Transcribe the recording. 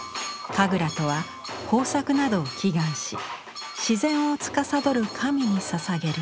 神楽とは豊作などを祈願し自然をつかさどる神にささげる舞。